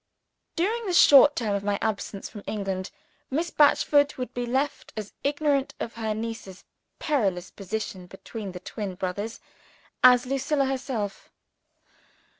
During the short term of my absence from England, Miss Batchford would be left as ignorant of her niece's perilous position between the twin brothers, as Lucilla herself.